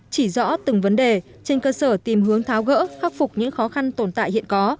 chỉ rõ từng vấn đề trên cơ sở tìm hướng tháo gỡ khắc phục những khó khăn tồn tại hiện có